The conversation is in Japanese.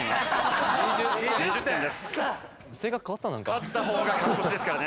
勝った方が勝ち越しですからね。